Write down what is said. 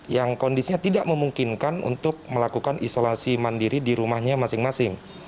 yang kondisinya tidak memungkinkan untuk melakukan isolasi mandiri di rumahnya masing masing